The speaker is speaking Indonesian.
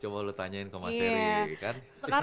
coba lu tanyain ke mas eri